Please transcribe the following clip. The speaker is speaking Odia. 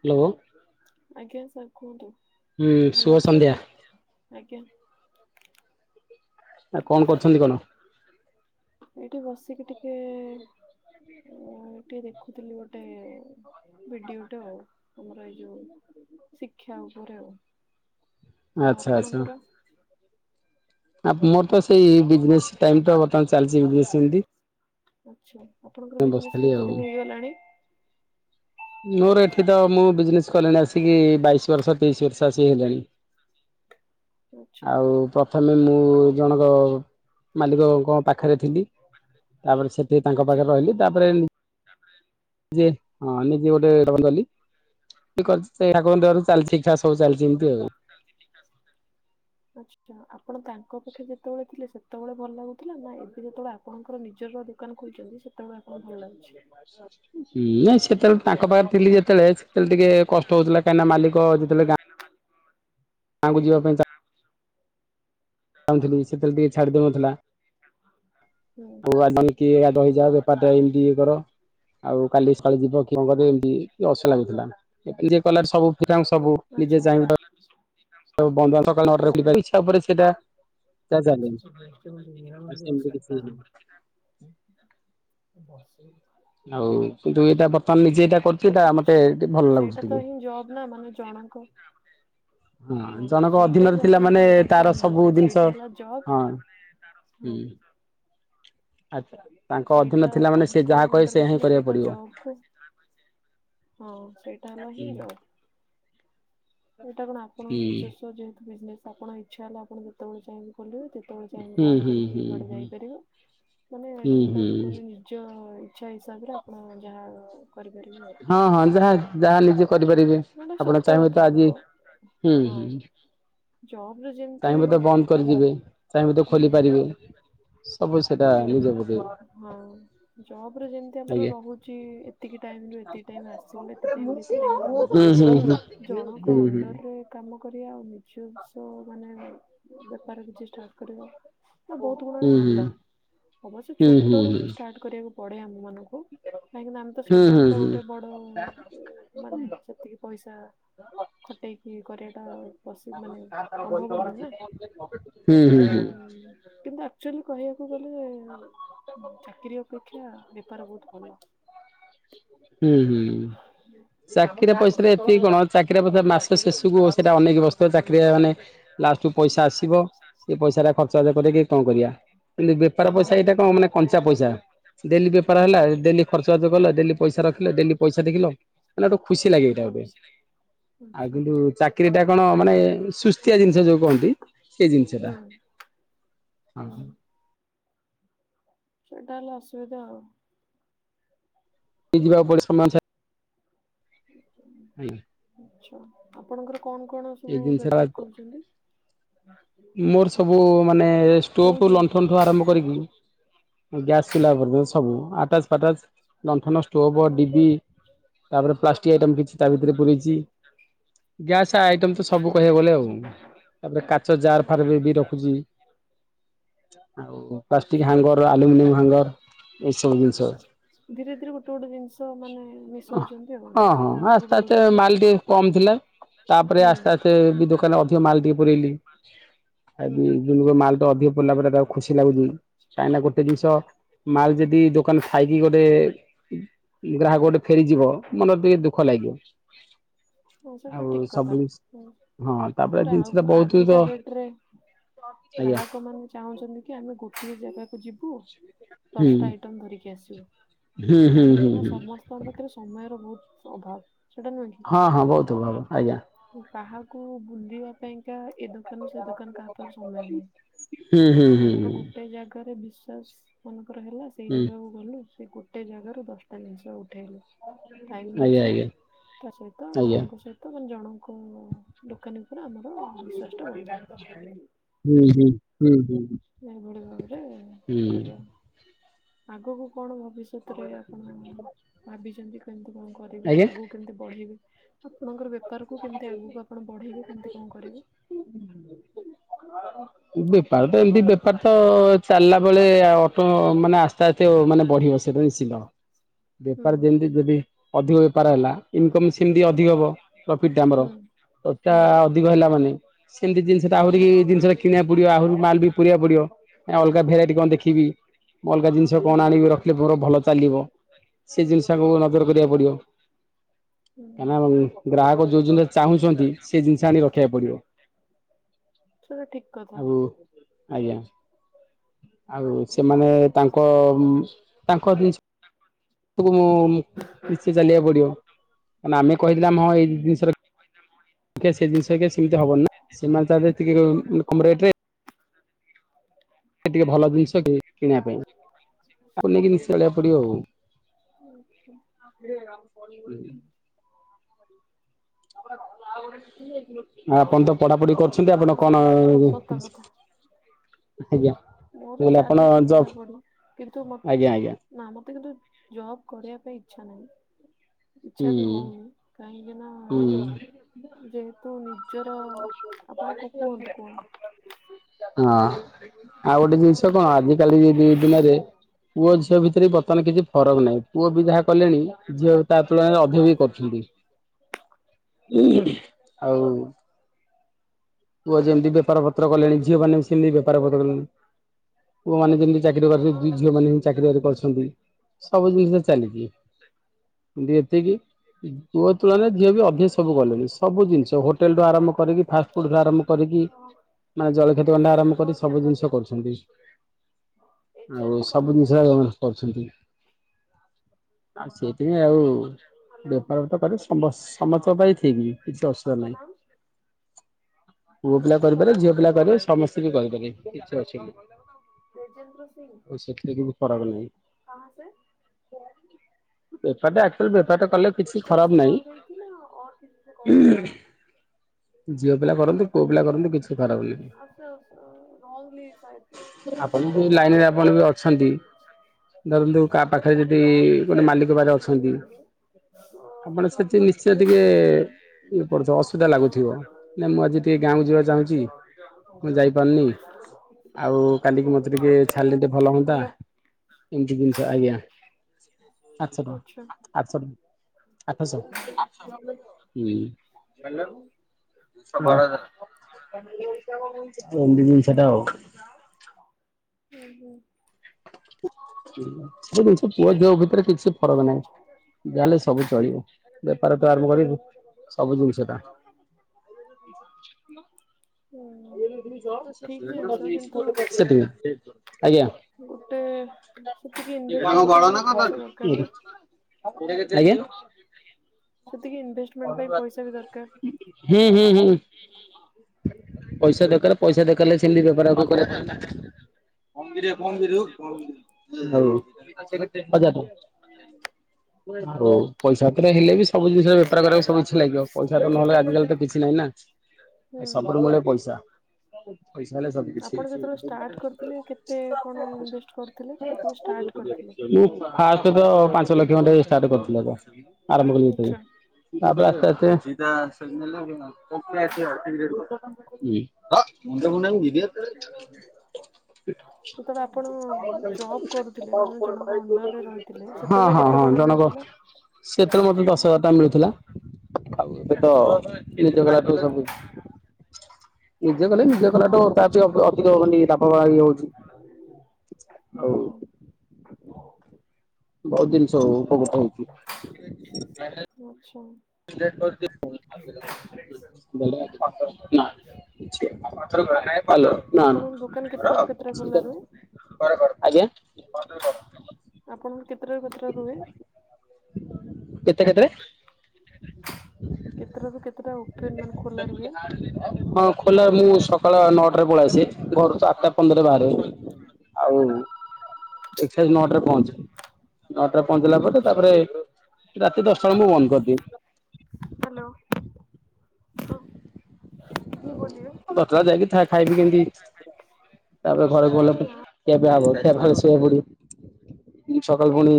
ହ୍ୟାଲୋ। ! ଆଜ୍ଞା ସାର୍ କୁହନ୍ତୁ ଭଲ ସନ୍ଧ୍ୟା ଅଛନ୍ତି ଆଜ୍ଞା। ଆ କଣ କରୁଛନ୍ତି କଣ? ଏଇଠି ବସିକି ଟିକେ ଅ ଟିକେ ଦେଖୁଥିଲି ଗୋଟେ ଭିଡିଓଟେ ହଉ ଆମର ଏଇ ଯୋଉ ଶିକ୍ଷା ଉପରେ ଆଉ। ଆଉ ଆଚ୍ଛା ଆଚ୍ଛା। ଆପଣଙ୍କର? ଆ ମୋର ତ ସେଇ ବିଜନେସ ଟାଇମ୍ ଟା ବର୍ତ୍ତମାନ୍ ଚାଲିଛି ବିଜନେସ୍ ସେମତି। ଆଛା ଆପଣଙ୍କର ବିଜନେସ୍ କେତେ ଦିନ ହେଇଗଲାଣି? ମୋର ଏଠି ତ, ମୁଁ ବିଜନେସ କଲିଣି ଆସିକି ବାଇଶି ବର୍ଷ, ତେଇଶି ବର୍ଷ ଆସିକି ହେଲାଣି। ଆଚ୍ଛା ଆଉ ପ୍ରଥମେ ମୁଁ ଜଣଙ୍କ ମାଲିକଙ୍କ ପାଖରେ ଥିଲି ତାପରେ ସେଠି ତାଙ୍କ ଆଚ୍ଛା ପାଖରେ ରହିଲି ତାପରେ ଯିଏ। ହ ନିଜେ ଗୋଟେ [unintelligible] ଠାକୁରଙ୍କ ଦୟାରୁ ଚାଲିଛି ଠିକ୍ ଠାକ୍ ସବୁ ଚାଲିଛି ହମ୍ ଏମିତି ଆଉ। ଠାକୁରଙ୍କ ଦୟାରୁ ଚାଲିଛି ସବୁଯାକ ଠିକ୍ ଠାକ୍ ସବୁ ଚାଲଚି। ଆଛା ଆପଣ ତାଙ୍କ ପଖେ ଯେତେବେଳେ ଥିଲେ ସେତେବେଳେ ଭଲ ଲାଗୁଥିଲା ନା ଏବେ ଯେତେବେଳେ ଆପଣଙ୍କର ନିଜ ନିଜର ଦୋକାନ ଖୋଲିଛନ୍ତି ସେତେବେଳେ ଆପଣଙ୍କୁ ହଁ! ଭଲ ଲାଗୁଛି? ନାଇଁ ସେତେବେଳେ ତ ତାଙ୍କ ପାଖରେ ଥିଲି ଯେତେବେଳେ ସେତେବେଳେ ଟିକେ କଷ୍ଟ ହଉଥିଲା। କାହିଁକି ନା ମାଲିକ ଯେତେବେଳେ ଗାଁ ଗାଁକୁ ଯିବା ପାଇଁ ବା [unintelligible] ଚାହୁଁଥିଲି ସେଥିେବେଳେ ଟିକେ ଛାଡିଦଉନଥିଲା। ହୁଁ ବେପାର ଟା ଏମିତି ଏମ ବି ଏ କର [unintelligible] ଆଉ କାଲିସକାଳେ ଯିବ କି କଣ କରିବ ଏମିତି ଅସ ଲାଗୁଥିଲା। କଲା ସବୁ ସବୁ ନିଜେ ଆଚ୍ଛା ଯାଇ ବ ଇଛା ଉପରେ ସେଇଟା [unintelligible] ଚାଲେ [unintelligible] ଆଉ ସେମିତି କିଛି ବସ ଆଉ କିନ୍ତୁ ଏଇଟା ବର୍ତ୍ତମାନ ନିଜେ ଏଇଟା କରୁଛି ଏଇଟା ମତେ ଆଛା! ଟିକେ ଭଲ ଲାଗୁଛି ସେଇଟା ତ ଟିକେ। ହିଁ ଜବ୍ ନା। ମାନେ ଜଣଙ୍କ ହଁ! ଜଣଙ୍କ ସେଇଟା ଅଧୀନରେ ଯୋଉ ଥିଲା ଆପଣ ମାନେ ଥିଲେ ତାଙ୍କ ତାର ସବୁ ଅଣ୍ଡରରେ ଜିନିଷ ସେଇଟା ହେଲା ଜବ୍ ହଁ ହଁ ହୁଁ! ଆଛା! ତାଙ୍କ ଅଧୀନ ଥିଲା ମାନେ ସେ ଯାହା କହେ ଅଣ୍ଡର ସେ ରେ ହିଁ ଖି କରିବାକୁ ସେଟା ପଡିବ। ଜବ। ହଁ! ସେଇଟା ହେଲା ହୁଁ ହିଁ ଜବ। ଏଇଟା କଣ ଆପଣ ହୁଁ ନିର୍ଜସ୍ୱ ଯେହେତୁ ବିଜନେସ ଆପଣଙ୍କ ଇଚ୍ଛା ହେଲା ଆପଣ ଯେତେବେଳେ ଚାହିଁବେ ଖୋଲିବେ ଯେତେବେଳେ ଚାହିଁବ ବନ୍ଦ ହୁଁ କରିକି ହୁଁ ଯୁଆଡ଼େ ହୁଁ ଯାଇପାରିବ ମାନେ ହୁଁ ଯେଉଁଟା ହୁଁ। କୁହନ୍ତି ନିଜ ଇଚ୍ଛା ହିସାବରେ ଆପଣ ଯାହା କରିପାରିବେ ଆଉ। ହଁ ହଁ ଯାହା ଯାହା ନିଜେ କରିପାରିବେ ମାନେ ଆପଣ ସତ ଚାହିଁବେ କଥା ତ ଆଜି ହବ ହୁଁ ହଁ ହୁଁ। ଜବରେ ଯେମିତି ଚାହିଁବେତ ବନ୍ଦ ହଁ କରିଦେବେ ଚାହିଁବେତ ଖୋଲି ପାରିବେ। ସବୁ [inaudible] ସେଟା ହଁ ନିଜ ଉପରେ ଜବରେ ଯେମତି ଆମର ଆଜ୍ଞା ରହୁଚି ଏତିକି ଟାଇମରେ। ଟାଇମି ଆସିବ ହୁଁ ଏତିକି ଟାଇମ କାମ କରିବ ହୁଁ ହୁଁ ହୁଁ ହୁଁ ହୁଁ ଜଣକ ଅଣ୍ଡରରେ କାମ କରିବା। ନିଜସ୍ୱ ମାନେ। ବେପାର କିଛି ଷ୍ଟାର୍ଟ କରିବା ନା ବହୁତ ଗୁଣରେ ଭଲ। ଅବଶ୍ୟ ହୁଁ ହୁଁ ଛୋଟ ରୁ ହିଁ ହୁଁ ଷ୍ଟାର୍ଟ କରିବାକୁ ପଡେ ଆମ ମାନଙ୍କୁ। କାହିଁକି ଆମେ ତ ସଡନ ହୁଁ ହୁଁ ହୁଁ ହୁଁ ତ ହୁଁ ଗୋଟେ ବଡ ମାନେ ସେତିକି ପଇସା। ଖଟେଇକି କରିବାଟା ବସ ହୁଁ ହୁଁ ତ ହୁଁ। [unintelligible] [inaudible] ଗଲେ ଚାକିରୀ ଅପେକ୍ଷା ବେପାର ବହୁତ ଭଲ। ହୁଁ ହୁଁ। ଚାକିରିର ପଇସା ଏତିକି ଚାକିରି କଣ ଚାକିରି ପଇସା ମାସ ଶେଷକୁ ସେଇଟା ଅନେଇକି ବସିଥିବ ଚାକିରିଆ ମାନେ। ଲାଷ୍ଟକୁ ପଇସା ଆସିବ ସେ ପଇସାଟା ଖର୍ଚ୍ଚବାର୍ଚ୍ଚ କରିକି କଣ କରିବା। ବେପାର ପଇସା ହଁ ଏଇଟା କଣ ମାନେ କଞ୍ଚା ପଇସା ଡେଲି ବେପାର ହେଲା ଡେଲି ଖର୍ଚ୍ଚ ବାର୍ଚ୍ଚ କଲା ଡେଲି ରଖିଲେ ଡେଲି ପଇସା ଦେଖିଲ ମାନେ ଗୋଟେ ଖୁସି ଲାଗେ ଏଇଟା ଗୋଟେ। ଆଉ ଆଚ୍ଛା ହୁଁ କିନ୍ତୁ ଚାକିରି ଟା କଣ ମାନେ ସୁସ୍ଥିଆ ଜିନିଷ ଯୋଉ କହନ୍ତି। ସେ ଜିନିଷଟା। [unintelligible] ସେଇଟା ହେଲେ ଅସୁବିଧା ହବ। [unintelligible] ଆଜ୍ଞା। ଆଚ୍ଛା ଆପଣଙ୍କର କଣ କଣ ସବୁ ବେପାର କରୁଚନ୍ତି? ମୋର ସବୁ ମାନେ କୋଉ ଷ୍ଟୋଭ ଜିନିଷ ଲଣ୍ଠଣ ଠୁ ଆରମ୍ଭ କରିକି। ମୁଁ ଗ୍ୟାସ ଚୁଲା ପ ସବୁ ଆଟାଚ ଫାଟାଚ ଲଣ୍ଠନ ଷ୍ଟୋଭ ଡିବି ତାପରେ ପ୍ଲାଷ୍ଟିକ ଆଇଟମ କିଛି ତା ଭିତରେ ପୂରେଇଛି ଗ୍ୟାସ ଆଇଟମ ତ ସବୁ କହିବାକୁ ଗଲେ ଆଉ ଆଚ୍ଛା। ତାପରେ କା ତାର ଫାର ବି ରଖୁଚି। ଆଉ ପ୍ଲାଷ୍ଟିକ ଆଚ୍ଛା ହାଙ୍ଗର ଆଲୁମିନିୟମ ହାଙ୍ଗର ଏଇସବୁ ଜିନିଷ। ଧୀରେ ଧୀରେ ଗୋଟେ ଗୋଟେ ଜିନିଷ ମାନେ ମିଶଉଚନ୍ତି, ଆଉ ହଁ ହଁ ସେଇଟା ଆସ୍ତେ ଆଗକୁ ଆସ୍ତେ ବଢଉଛନ୍ତି ମାଲ ଟିକେ କମ ଥିଲା ଆଉ। ତାପରେ ହୁଁ ଆସ୍ତେ ଆସ୍ତେ ବି ଦୋକାନ ଅଧିକ ମାଲ ଟିକେ ପୁରେଇଲି। ହୁଁ ଆଜି ମାଲ ତ ଅଧିକ ପଡିଲା ପରେ ତାକୁ ଖୁସି ଲାଗୁଛି କାହିଁକିନା ଗୋ ଗୋଟେ ଜିନିଷ ମାଲ ଯଦି ଦୋକାନ ଥାଇକି ଗୋଟେ ଗ୍ରାହକ ଗୋଟେ ଫେରିଯିବ ମନରେ ଟିକେ ଦୁଃଖ ଲାଗିବ। ହଁ ସେଟା ଆଉ ଠିକ ସବୁ କଥା। ହୁଁ ଜିନିଷ ହଁ ତାପରେ ଜିନିଷଟା ବହୁତ। ତ ଆଜିକା ଡେଟରେ ଆଜ୍ଞା ଗ୍ରାହକ ମାନେ ଚାହୁଁଚନ୍ତି କି ଆମେ ଗୋଟିଏ ଜାଗା ଯିବୁ ହୁଁ ଦଶଟା ଆଇଟମ୍ ଧରିକି ଆସିବୁ। ହୁଁ ହୁଁ ହୁଁ କାହିଁକିନା ହୁଁ ସମସ୍ତଙ୍କ ପାଖରେ ସମୟର ବହୁତ ଅଭାବ ସେଟା ନୁହେଁ ହଁ ହଁ ବହୁତ ଭଲ ଆଜ୍ଞା କି କାହାକୁ ବୁଲିବା ପାଇଁକା ଏ ଦ ସେ ଦୋକାନ କାହାପରେ ସମୟ ନାହିଁ ହୁଁ ହୁଁ ହୁଁ ଆମର ହୁଁ ଗୋଟେ ଜାଗାରେ ବିଶ୍ୱାସ ମାନେ ହେଲା ସେଇ ହୁଁ ଜାଗାକୁ ଗଲୁ ସେ ଗୋଟେ ଜାଗାରୁ ଦଶଟା ଜିନିଷ ଉ [unintelligible] ଟାଇମ ଆଜ୍ଞା ବଞ୍ଚିଲା ଆଜ୍ଞା ତା ସହିତ ଆଜ୍ଞା ଜଣଙ୍କ ସହିତ ଜଣଙ୍କ ଦୋକାନୀ ଉପରେ ଆମର ବିଶ୍ୱାସ ଟା ବଢିଲା ହୁଁ ହୁଁ। ଏଭଳି ଭାବରେ ହୁଁ କରିବା ଆଗକୁ କଣ ଘ ଭବିଷ୍ୟତରେ ଆପଣ ଭାବିଛନ୍ତି କେମିତି କଣ କରିବେ ଆଜ୍ଞା ଆଗକୁ କେମିତି ବଢ଼ିବେ। ଆପଣଙ୍କର ବେପାରକୁ କେମିତି ଆଗକୁ ଆପଣ ବଢେଇବେ କେମତି କଣ କରିବେ ବେପାର ତ ଏମିତି ବେପାର ତ ଚାଲିଲା ବେଳେ ଅଟୋ ମାନେ ଆସ୍ତେ ଆସ୍ତେ ମାନେ ବଢିବ ସେଟଶୀ ହୁଁ ବେପାର ଯେମିତି ଯଦି ଅଧିକ ବେପାର ହେଲା ଇନକମ ସେମିତି ଅଧିକ ହବ ପ୍ରଫିଟ ଟା ଆମର ହୁଁ ତଟା ହୁଁ। ଅଧିକ ହେଲା ମାନେ ସେମିତି ଜିନିଷଟା ଆହୁରି ଜିନିଷା କିଣିବା ପଡିବ ଆହୁରି ମାଲ ବି ପୁରିବାକୁ ପଡିବ ଅଲଗା ଭେରାଇଟି କଣ ଦେଖି ରଖିବି ଅଲଗା ଜିନିଷ କଣ ଆଣିବି ରଖି ର ଭଲ ଚାଲିବ ସେ ଜିନିଷକୁ ନଜର କରିବାକୁ ପଡିବ ହୁଁ କାଁକ ଗ୍ରାହକ ଯୋଉ ଜିନିଷ ଚାହୁଁଛନ୍ତି ସେ ଜିନିଷ ଆଣିିକ ରଖିବାକୁ ପଡିବ। ଚଲ ଠିକ [unintelligible] ଆଉ ଆଜ୍ଞା ଆଉ। ସେମାନେ ତାଙ୍କ ତାଙ୍କ ଜିନିଷ। ୁ ମୁଁ ନିଶ୍ଚେ ଚାଲିବାକୁ ପଡିବ କାଁ ଆମେ କହିଥିଲେ ଆମ ହଁ ଏଇ ହୁଁ ଜିନିଷର ଆ ସେ ଜିନିଷ ସେମିତି ହବନ ନା ସେମାନେ ଟିକେ କ ରେଟ। ଟିକେ ଭଲ ଜିନିଷ କି କିଣିବା ପାଇଁ ଆକୁ ନେଇକି ନିଶେ ଜଳିବାକୁ ପଡିବ ଆଉ। ଆମ ଆ ଗେ [unintelligible] ଆପଣ ତ ପଢାପଢି କରୁଛନ୍ତି ହଁ ଆପଣ କଣ ସେଇଟା ବି ଠ- ସତ କଥା। ଆଜ୍ଞା ମୁଁ ମୋର କହିଲି ଆପଣ ଚାଲିଛି ଜବ୍ ପଢାପଢି କିନ୍ତୁ ଆଜ୍ଞା ଆଜ୍ଞା ନା ମତେ କିନ୍ତୁ। ଜବ୍ କରିବା ପାଇଁ ଇଚ୍ଛା ନାହିଁ। ହୁଁ ଇଚ୍ଛା ବି ହଉନି କାହିଁକି ନା ହୁଁ। ଯେହେତୁନି। ନିଜର ଆପଣ କୁହନ୍ତୁ କୁହନ୍ତୁ [unintelligible] ହଁ ଆଉ ଗୋଟେ ଜିନିଷ କଣ ଆଜିିକାଲି ଦି- ଦିନରେ। ପୁଅ ଝିଅ ଭିତରେ ବି ବର୍ତ୍ତମାନ କିଛି ଫରକ ନାହିଁ ପୁଅ ବି ଯାହା କଲେଣି ଝିଅ ତା ତୁଳନାରେ ଅଧିକ ବି କରୁଛନ୍ତି। ଆଉ ପୁଅ ଯେମିତି ବେପାର ପତ୍ର କଲେଣି ଝିଅ ମାନ ସେମିତି ବେପାର ପତ୍ର କଲେଣି। ପୁଅମାନୋନେ ଯେମିତି ଚାକିରି ହଁ କରିଛନ୍ତି ଦି ଝିଅ ମାନେ ହିଁ ଚାକିରି ବାକରି କରିଛନ୍ତି। ସବୁ ଜିନିଷ ତ ଚାଲିଛି ଯେ ଏତିକି ଯୁଅ ତୁଳନାରେ ଝିଅ ବି ଅଭ୍ୟାସ ସବୁଲେଣି ସବୁ ଜିନିଷ ହୋଟେଲ ରୁ ଆରମ୍ଭ କରିକି ଫାଷ୍ଟ। ଫୁଡ୍ ଠୁ ଆରମ୍ଭ କରିକି ହଁ ମାନେ ଜଳ କଷତି ଅଣ୍ଡା ଏବେ ଆମେ ଆରମ୍ଭ କରି କଲ୍ ସବୁ କିୟା ଜିନିଷ କରୁଛନ୍ତି। ଆଉ ସବୁ ଜିନିଷ କରୁଛନ୍ତି। ଆ ସେଥି ନାଇ ଆଉ ବେପାର ତ କରେ ସମ ସମସ୍ତଙ୍କ ପାଇଁ ଠିକ୍ କିଛି ଅସୁବିଧା ନାହିଁ। ପୁଅ ପିଲା କରିପାରେ ଝିଅ ପିଲା କରିବେ ସମସ୍ତେ ବି କରିପାରିବ କିଛି ଅଛି ଅସୁବିଧା ନାହିଁ। ଆ ସେଥିରେ କି ବି ଫରକ ନାହିଁ ବପାଚୁଆ ବେପାର ଟା କଲେ କିଛି ଖରାପ ନାହିଁ। କ କିଛି ସେ। ଝିଅ ପିଲା କରନ୍ତୁ କୋଉ ପିଲା କରନ୍ତୁ କିଛି ଖରାପନି ଆପଣ ଯ। ଲାଇନରେ ଆପଣ ବି ଅଛନ୍ତି। ଧରନ୍ତୁ କାହା ପାଖରେ ଯଦି ଗୋଟେ ମାଲିକ ବାାର ଅଛନ୍ତି। ଆପଣ ସେଠି ନିଶ୍ଚୟ ଟିକେ ଇଏ ପଡୁଥିବ ଅସୁବିଧା ଲାଗୁଥିବ। ନା ମୁଁ ଆଜି ଟିକେ ଗାଁକୁ ଯିବା ଚାହୁଁଛି ମୁଁ ଯାଇପାରୁନି। ଆଉ କାଲିକି ମତେ ଟିକେ ଛାଡ଼ିଲେ ଟିକେ ଭଲ ହୁଅନ୍ତା ହ୍ୟାଲୋ ଏମିତି ଜିନିଷ ଆଜ୍ଞା। ଆ ଟ ଆଚ୍ଛା ଆ ଟ [unintelligible] ଆଠ ସ ହୁଁ [inaudible] ସେଟା ହଉ [unintelligible] ହୁ ହୁଁ ସବୁ ଜିନିଷ ପୁହା ଯିବା ଭିତରେ କିଛି। ଫରକ ନାଇଁ ଗାଲେ ସବୁ ଚଳିବ। ବେପାର ତୁ ଆରମ୍ଭ କରିୁ ସବୁ ଜିନିଷ ଟା। ହୁଁ ଠିକ୍ ଜିନିଷ କିନ୍ତୁ [unintelligible] ଗୋଟେ ସେତିକି ଇନଭେଷ୍ଟମେଣ୍ଟ୍ ପାଇଁ ବି ପଇସା ଦରକାର ନା? ଆଜ୍ଞା? ସେତିକି ଇନଭେଷ୍ଟମେଣ୍ଟ୍ ପାଇଁ ପଇସା ବି ଦରକାର। ହୁଁ ହୁଁ ହୁଁ। ପଇସା ଦରକାର ପଇସା ଦରକାର ହେଲେ ସେମିତି ବେପାର [inaudible] କରିବାକୁ [inaudible] ହଉ। ହଉ। ପଇସା ଥିଲେ ହେଲେ ବି ସବୁ ଜିନିଷରେ ବେପାର କରିବାକୁ ସବୁ କିଛି ଲାଗିବ ପଇସା ନହେଲେ ଆଜିକାଲି ତ କିଛି ନାହିଁ ନା। ହୁଁ ସବୁବେଳେ ପଇସା। ପଇସା ହେଲେ ସବୁ କିଛି ଆପଣ ଯେତେବେଳେ ଷ୍ଟାର୍ଟ କରିଥିଲେ କେତେ କଣ ଇନଭେଷ୍ଟ କରିଥିଲେ ଯେତେବେଳେ ଷ୍ଟାର୍ଟ କରିଥିଲେ? ମୁଁ ଫାଷ୍ଟ୍ ତ ପାଞ୍ଚ ଲକ୍ଷ ଖଣ୍ଡେ ଷ୍ଟାର୍ଟ କରିଥିଲି ଆଗ ଆରମ୍ଭ କଲି ଯେତେବେଳେ। ଆଚ୍ଛା। ବାବା ଆସ୍ତେ ଆସ୍ତେ। ଯେତେବେଳେ ଆପଣ ଜବ୍ କରୁଥିଲେ ମାନେ ଜଣଙ୍କ ଅଣ୍ଡରରେ ରହିଥିଲେ [unintelligible] ହଁ ସେତେବେଳେ କେତେ ହଁ। କଣ ମିଳୁଥିଲା? ସେଥିରେ ମତେ ଦଶ ହଜାର ଟଙ୍କା ମିଳୁଥିଲା ଆଚ୍ଛା ଆଉ ଏବେ ତ ନିଜେ କଲେ ନିଜେ କଲେଠୁ ତାର ଟିକେ ଅଧିକ କନ୍ତି ଲାଭ ଭାରି ହଉଛି। ଆଉ [inaudible] ବହୁତ ଜିନିଷ ହଉ ଉପକୃତ ହଉଛି। ହୁଁ ଆଚ୍ଛା। [unintelligible] [inaudible] ନା ନା ଆପଣଙ୍କ ଦୋକାନ କେତେଟାରୁ କେତେଟା ଖୋଲା ରୁହେ? କର କର ଆଜ୍ଞା [inaudible] ଆପଣଙ୍କୁ କେତେଟାରୁ କେତେଟା ରୁହେ। କେତେ କ୍ଷେତରେ କେତେଟାରୁ କେତେଟା ଉଠେ ନା ହଁ ଖୋଲା ବୋଲି ମୁଁ ସକାଳ ନଅଟାରେ ପଳେଇ ଆସି ଘରୁ ତ ଆଠଟା ପନ୍ଦର ବାହାରେ ଆଉ ଏଠି ଆସି ନଅଟାରେ ପହେଞ୍ଚ। ନଅଟା ପହଞ୍ଚିଲା ପରେ ଆଚ୍ଛା। ତାପରେ ରାତି ଦଶଟା ବେଳେ ମୁଁ ବନ୍ଦ କରିଦିଏ। ହ୍ୟାଲୋ। ହ। ବତଲା ଯାଇକି ଖାଇବି ପିଏକି ଏମିତି ହୋଇଚି। ତାପରେ ଘରକୁ ଗଲେ ଖିଆ ପିଆ ହବ। ଶୋଇ ପଡ଼ିବୁ ସକାଳ ପୁଣି